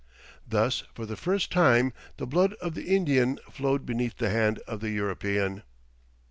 Thus, for the first time, the blood of the Indian flowed beneath the hand of the European.